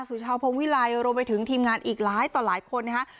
สุชาวพงวิลัยรวมไปถึงทีมงานอีกหลายต่อหลายคนนะฮะ